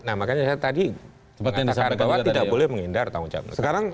nah makanya saya tadi mengatakan bahwa tidak boleh menghindar tanggung jawab